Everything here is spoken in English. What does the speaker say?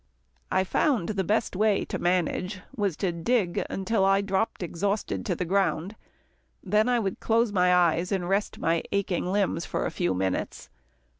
I found the best way to manage was to dig till I dropped exhausted to the ground. Then I would close my eyes and rest my aching limbs for a few minutes.